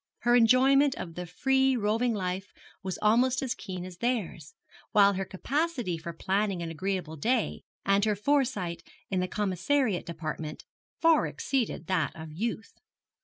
Her enjoyment of the free, roving life was almost as keen as theirs, while her capacity for planning an agreeable day, and her foresight in the commissariat department, far exceeded that of youth.